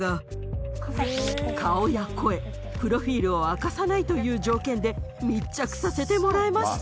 顔や声プロフィールを明かさないという条件で密着させてもらえました。